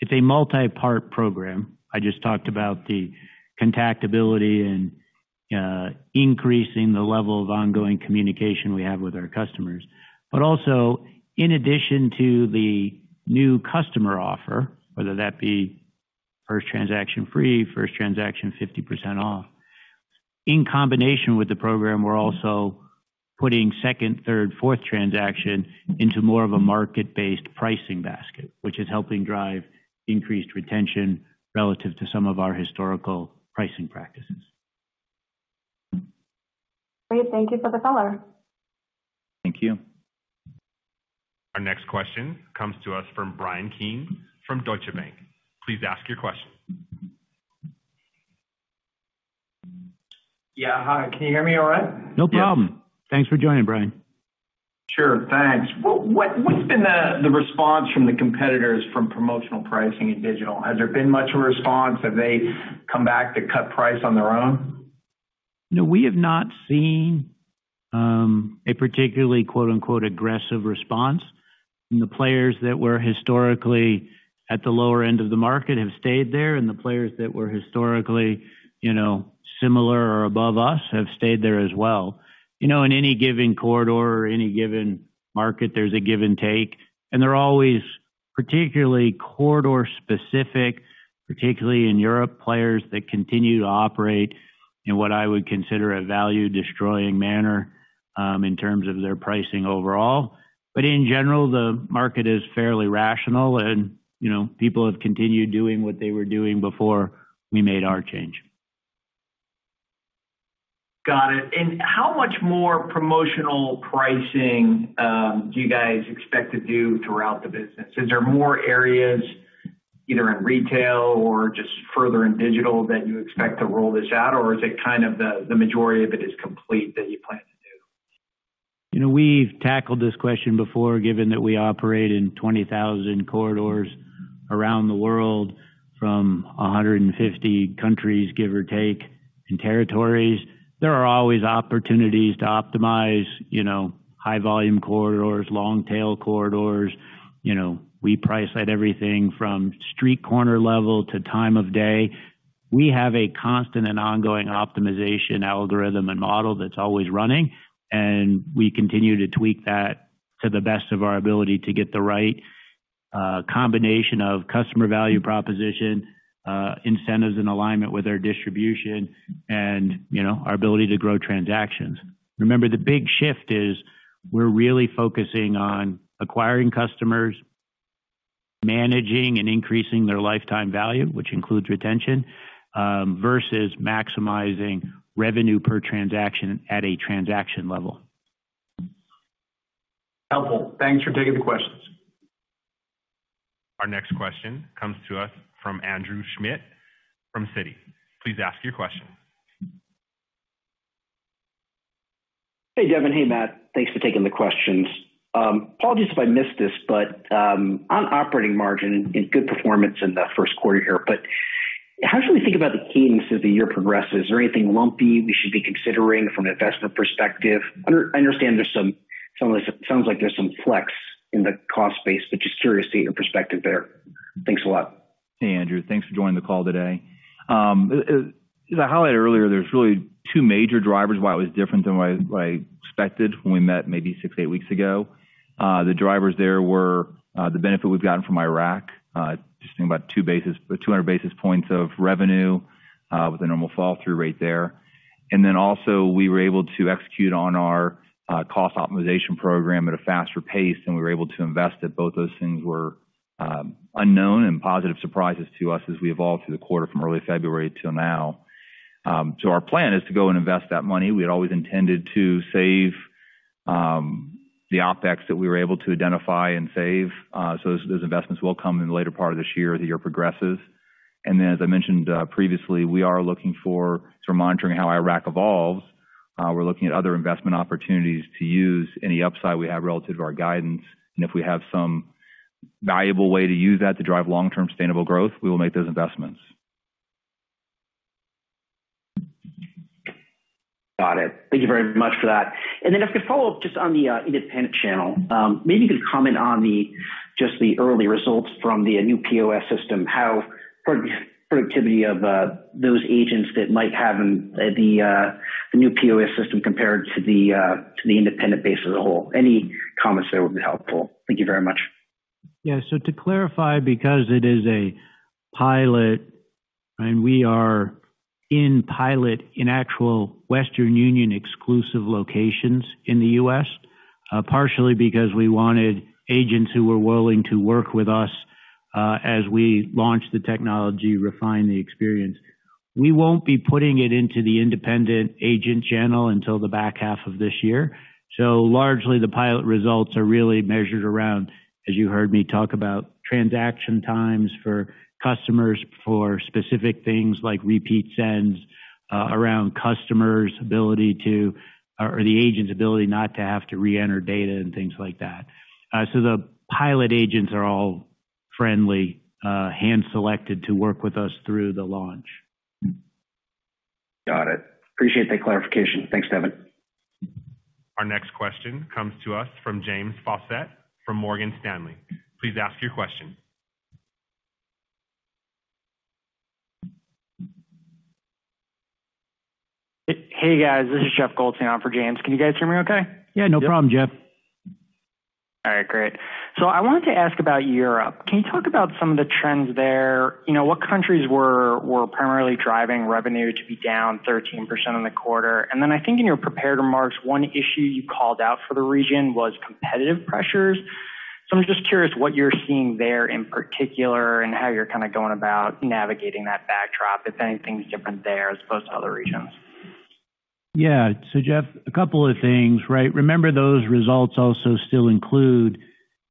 it's a multi-part program. I just talked about the contactability and increasing the level of ongoing communication we have with our customers. In addition to the new customer offer, whether that be first transaction free, first transaction 50% off, in combination with the program, we're also putting second, third, fourth transaction into more of a market-based pricing basket, which is helping drive increased retention relative to some of our historical pricing practices. Great. Thank you for the color. Thank you. Our next question comes to us from Bryan Keane from Deutsche Bank. Please ask your question. Yeah. Hi, can you hear me all right? No problem. Thanks for joining, Bryan. Sure, thanks. What's been the response from the competitors from promotional pricing in digital? Has there been much of a response? Have they come back to cut price on their own? No, we have not seen a particularly, quote-unquote, "aggressive response." The players that were historically at the lower end of the market have stayed there, and the players that were historically, you know, similar or above us have stayed there as well. You know, in any given corridor or any given market, there's a give and take, and they're always particularly corridor-specific, particularly in Europe, players that continue to operate in what I would consider a value-destroying manner in terms of their pricing overall. In general, the market is fairly rational and, you know, people have continued doing what they were doing before we made our change. Got it. How much more promotional pricing do you guys expect to do throughout the business? Is there more areas either in retail or just further in digital that you expect to roll this out, or is it kind of the majority of it is complete that you plan to do? You know, we've tackled this question before, given that we operate in 20,000 corridors around the world from 150 countries, give or take, and territories. There are always opportunities to optimize, you know, high volume corridors, long tail corridors. You know, we price at everything from street corner level to time of day. We have a constant and ongoing optimization algorithm and model that's always running, and we continue to tweak that to the best of our ability to get the right combination of customer value proposition, incentives and alignment with our distribution and, you know, our ability to grow transactions. Remember, the big shift is we're really focusing on acquiring customers, managing and increasing their lifetime value, which includes retention, versus maximizing revenue per transaction at a transaction level. Helpful. Thanks for taking the questions. Our next question comes to us from Andrew Schmidt from Citi. Please ask your question. Hey, Devin. Hey, Matt. Thanks for taking the questions. Apologies if I missed this. On operating margin in good performance in the first quarter here, how should we think about the keying as the year progresses? Is there anything lumpy we should be considering from an investment perspective? sounds like there's some flex in the cost base, just curious to get your perspective there. Thanks a lot. Hey, Andrew. Thanks for joining the call today. As I highlighted earlier, there's really two major drivers why it was different than what I, what I expected when we met maybe six, eight weeks ago. The drivers there were the benefit we've gotten from Iraq, just about 200 basis points of revenue, with a normal fall through rate there. We were able to execute on our cost optimization program at a faster pace than we were able to invest, and both those things were unknown and positive surprises to us as we evolved through the quarter from early February till now. Our plan is to go and invest that money. We had always intended to save the OpEx that we were able to identify and save. Those investments will come in the later part of this year as the year progresses. As I mentioned, previously, we are looking. We're monitoring how Iraq evolves. We're looking at other investment opportunities to use any upside we have relative to our guidance. If we have some valuable way to use that to drive long-term sustainable growth, we will make those investments. Got it. Thank you very much for that. If I could follow up just on the independent channel, maybe you could comment on the just the early results from the new POS system, how productivity of those agents that might have in the new POS system compared to the independent base as a whole. Any comments there would be helpful. Thank you very much. To clarify, because it is a pilot and we are in pilot in actual Western Union exclusive locations in the U.S., partially because we wanted agents who were willing to work with us, as we launch the technology, refine the experience. We won't be putting it into the independent agent channel until the back half of this year. Largely the pilot results are really measured around, as you heard me talk about transaction times for customers for specific things like repeat sends, around customers' ability to, or the agent's ability not to have to re-enter data and things like that. The pilot agents are all friendly, hand-selected to work with us through the launch. Got it. Appreciate that clarification. Thanks, Devin. Our next question comes to us from James Faucette from Morgan Stanley. Please ask your question. Hey, guys, this is Jeff Goldstein on for James. Can you guys hear me okay? Yeah, no problem, Jeff. All right, great. I wanted to ask about Europe. Can you talk about some of the trends there? You know, what countries were primarily driving revenue to be down 13% in the quarter? Then I think in your prepared remarks, one issue you called out for the region was competitive pressures. I'm just curious what you're seeing there in particular and how you're kind of going about navigating that backdrop, if anything's different there as opposed to other regions. Jeff, a couple of things, right? Remember those results also still include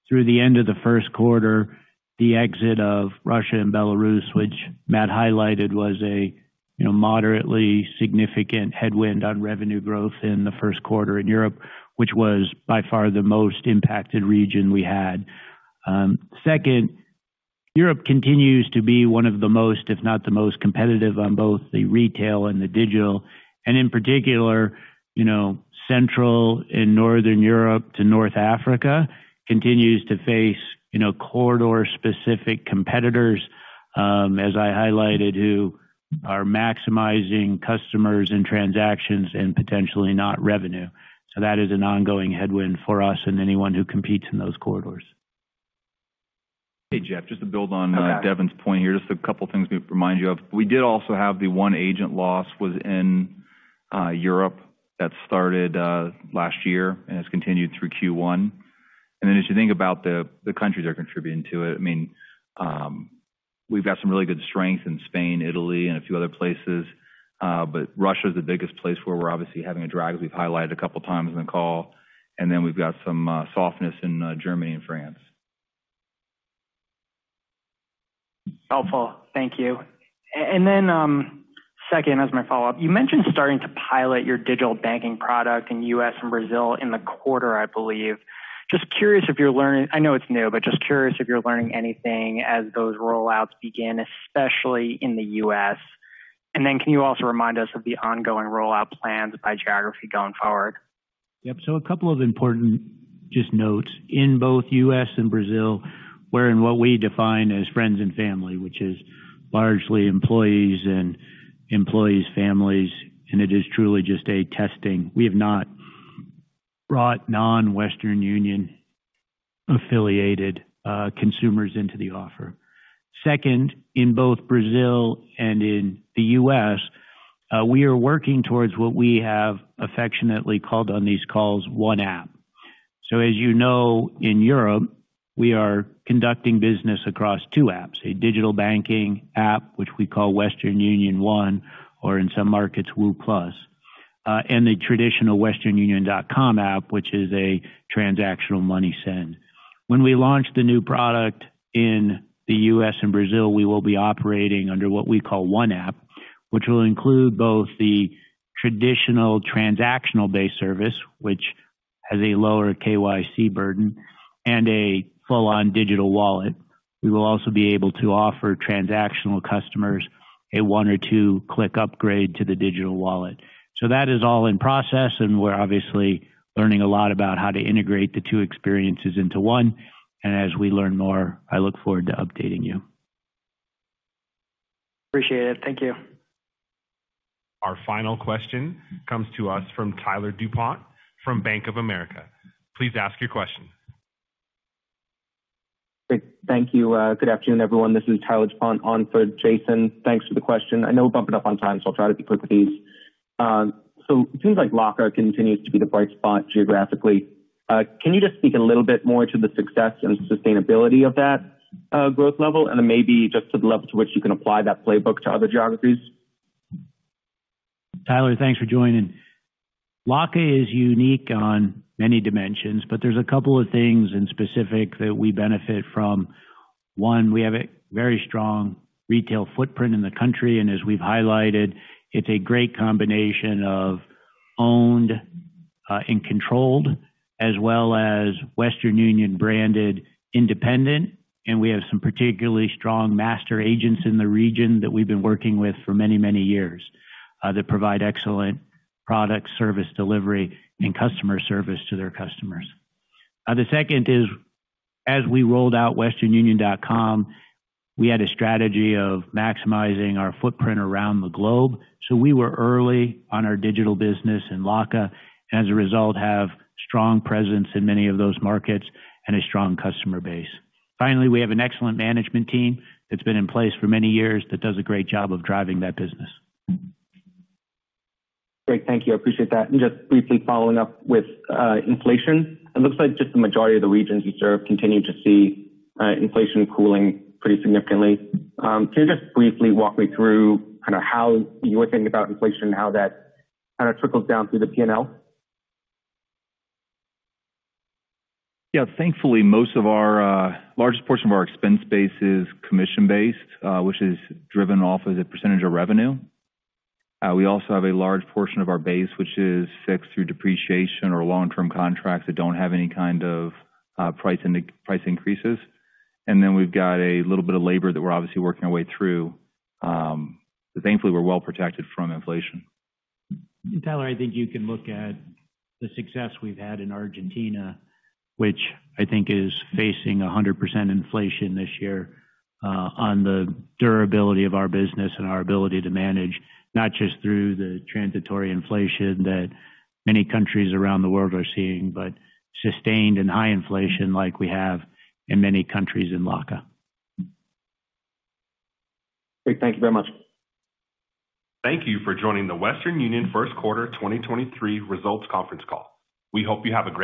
through the end of the first quarter the exit of Russia and Belarus, which Matt highlighted was a, you know, moderately significant headwind on revenue growth in the first quarter in Europe, which was by far the most impacted region we had. Second, Europe continues to be one of the most, if not the most competitive on both the retail and the digital. In particular, you know, Central and Northern Europe to North Africa continues to face, you know, corridor-specific competitors, as I highlighted, who are maximizing customers and transactions and potentially not revenue. That is an ongoing headwind for us and anyone who competes in those corridors. Hey, Jeff, just to build on Devin's point here, just a couple of things to remind you of. We did also have the one agent loss within Europe that started last year and has continued through Q1. As you think about the countries that are contributing to it, I mean, we've got some really good strength in Spain, Italy, and a few other places. Russia is the biggest place where we're obviously having a drag, as we've highlighted a couple of times in the call. We've got some softness in Germany and France. Helpful. Thank you. Then, second, as my follow-up, you mentioned starting to pilot your digital banking product in the U.S. and Brazil in the quarter, I believe. Just curious if you're learning anything as those roll-outs begin, especially in the U.S. Can you also remind us of the ongoing rollout plans by geography going forward? Yep. a couple of important just notes. In both U.S. and Brazil, we're in what we define as friends and family, which is largely employees and employees' families, and it is truly just a testing. We have not brought non-Western Union affiliated consumers into the offer. Second, in both Brazil and in the U.S., we are working towards what we have affectionately called on these calls one app. As you know, in Europe, we are conducting business across two apps, a digital banking app, which we call Western Union One, or in some markets, WU Plus, and the traditional westernunion.com app, which is a transactional money send. When we launch the new product in the U.S. and Brazil, we will be operating under what we call one app, which will include both the traditional transactional-based service, which has a lower KYC burden and a full-on digital wallet. We will also be able to offer transactional customers a one or two-click upgrade to the digital wallet. That is all in process, and we're obviously learning a lot about how to integrate the two experiences into one. As we learn more, I look forward to updating you. Appreciate it. Thank you. Our final question comes to us from Tyler DuPont from Bank of America. Please ask your question. Great. Thank you. Good afternoon, everyone. This is Tyler DuPont on for Jason. Thanks for the question. I know we're bumping up on time, so I'll try to be quick with these. It seems like LATAM continues to be the bright spot geographically. Can you just speak a little bit more to the success and sustainability of that, growth level? Then maybe just to the level to which you can apply that playbook to other geographies? Tyler, thanks for joining. LATAM is unique on many dimensions. There's 2 things in specific that we benefit from. One, we have a very strong retail footprint in the country, and as we've highlighted, it's a great combination of owned and controlled as well as Western Union-branded independent. We have some particularly strong master agents in the region that we've been working with for many, many years that provide excellent product service delivery and customer service to their customers. The second is, as we rolled out westernunion.com, we had a strategy of maximizing our footprint around the globe. We were early on our digital business in LATAM, and as a result, have strong presence in many of those markets and a strong customer base. Finally, we have an excellent management team that's been in place for many years that does a great job of driving that business. Great. Thank you. I appreciate that. Just briefly following up with inflation, it looks like just the majority of the regions you serve continue to see inflation cooling pretty significantly. Can you just briefly walk me through kind of how you're thinking about inflation and how that kind of trickles down through the PNL? Yeah. Thankfully, most of our, largest portion of our expense base is commission-based, which is driven off as a percentage of revenue. We also have a large portion of our base which is fixed through depreciation or long-term contracts that don't have any kind of, price increases. Then we've got a little bit of labor that we're obviously working our way through. Thankfully, we're well protected from inflation. Tyler, I think you can look at the success we've had in Argentina, which I think is facing 100% inflation this year, on the durability of our business and our ability to manage, not just through the transitory inflation that many countries around the world are seeing, but sustained and high inflation like we have in many countries in LATAM. Great. Thank you very much. Thank you for joining the Western Union First Quarter 2023 Results Conference Call. We hope you have a great day.